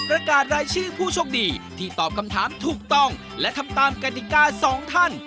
ประกาศรายชื่อผู้โชคดีที่ตอบคำถามถูกต้องและทำตามกฎิกาสองท่าน